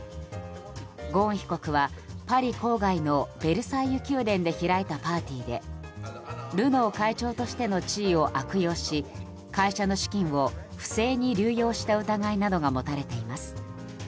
ゴーン被告はパリ郊外のベルサイユ宮殿で開いたパーティーでルノー会長としての地位を悪用し会社の資金を不正に流用した疑いなどが持たれています。